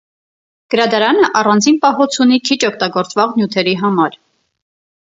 Գրադարանը առանձին պահոց ունի քիչ օգտագործվող նյութերի համար։